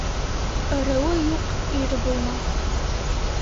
Ырыуы юҡ ир булмаҫ